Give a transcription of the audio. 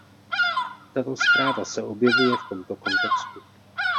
Tato zpráva se objevuje v tomto kontextu.